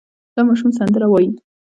دا ماشوم سندره وايي.